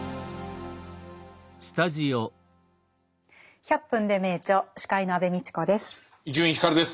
「１００分ｄｅ名著」司会の安部みちこです。